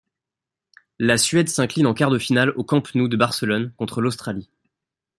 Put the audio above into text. La Suède s'incline en quart de finale au Camp Nou de Barcelone contre l'Australie.